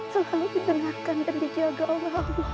selalu dendamkan dan dijaga allah allah